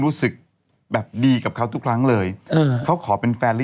จะมีแต่ดอกไม้